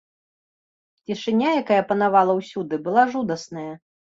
Цішыня, якая панавала ўсюды, была жудасная.